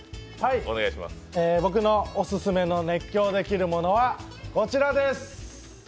僕のオススメの熱狂できるものはこちらです。